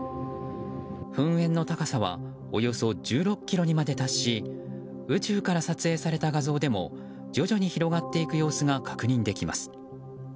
噴煙の高さはおよそ１６ｋｍにまで達し宇宙から撮影された画像でも徐々に広がっていく様子が確認できます。